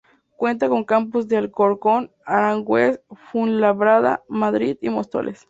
Cuenta con campus en Alcorcón, Aranjuez, Fuenlabrada, Madrid y Móstoles.